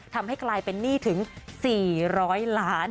ทำให้กลายเป็นหนี้ถึง๔๐๐ล้าน